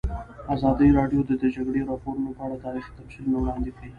ازادي راډیو د د جګړې راپورونه په اړه تاریخي تمثیلونه وړاندې کړي.